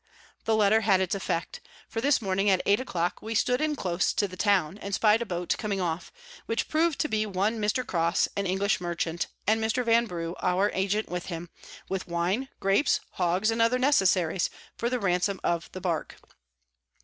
The Letter had its effect; for this Morning at eight a clock we stood in close to the Town, and spy'd a Boat coming off, which prov'd to be one Mr. Crosse an English Merchant, and Mr. Vanbrugh our Agent with him, with Wine, Grapes, Hogs, and other Necessaries, for the Ransom of the Bark.